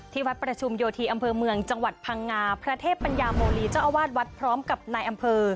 วัดประชุมโยธีอำเภอเมืองจังหวัดพังงาพระเทพปัญญาโมลีเจ้าอาวาสวัดพร้อมกับนายอำเภอ